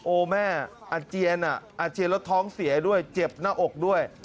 แม่อาเจียนอ่ะอาเจียนแล้วท้องเสียด้วยเจ็บหน้าอกด้วย